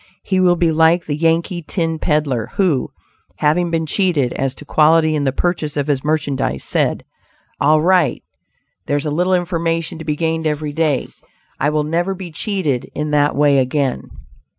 He will be like the Yankee tin peddler, who, having been cheated as to quality in the purchase of his merchandise, said: "All right, there's a little information to be gained every day; I will never be cheated in that way again."